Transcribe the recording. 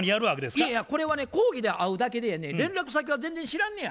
いやいやこれはね講義で会うだけでやね連絡先は全然知らんねや。